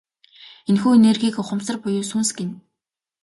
Энэхүү энергийг ухамсар буюу сүнс гэнэ.